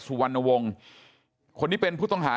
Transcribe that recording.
สุวรรณวงศ์คนนี้เป็นผู้ต้องหา